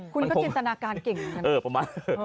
คุณก็จินตนาการเก่ง